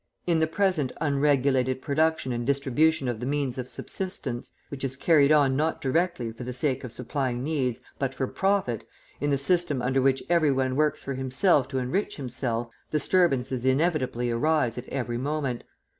In the present unregulated production and distribution of the means of subsistence, which is carried on not directly for the sake of supplying needs, but for profit, in the system under which every one works for himself to enrich himself, disturbances inevitably arise at every moment.